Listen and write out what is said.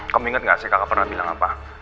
kamu inget gak sih kakak pernah bilang apa